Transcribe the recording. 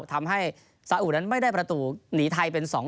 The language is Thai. ทำให้สาอุนั้นไม่ได้ประตูหนีไทยเป็น๒๐